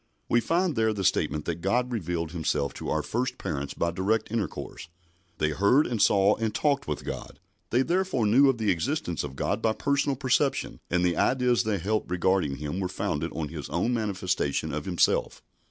We find there the statement that God revealed Himself to our first parents by direct intercourse. They heard and saw and talked with God. They therefore knew of the existence of God by personal perception, and the ideas they held regarding Him were founded on His own manifestation of Himself.